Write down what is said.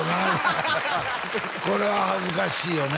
ハハハハこれは恥ずかしいよね